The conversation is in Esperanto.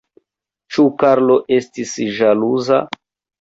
Ĉu Karlo estis ĵaluza?